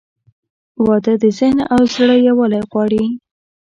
• واده د ذهن او زړه یووالی غواړي.